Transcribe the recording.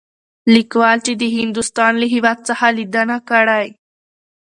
ليکوال چې د هندوستان له هـيواد څخه ليدنه کړى.